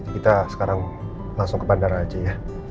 kita sekarang langsung ke bandara aja ya